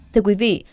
thưa quý vị